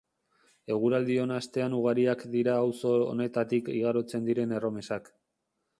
Eguraldi ona hastean ugariak dira auzo honetatik igarotzen diren erromesak.